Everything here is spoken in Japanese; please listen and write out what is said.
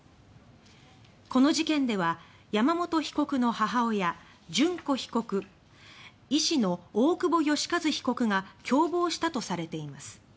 この事件では山本被告の母親、淳子被告や医師の大久保愉一被告が共謀したとされています。